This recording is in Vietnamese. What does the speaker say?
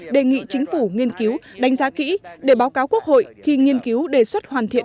đề nghị chính phủ nghiên cứu đánh giá kỹ để báo cáo quốc hội khi nghiên cứu đề xuất hoàn thiện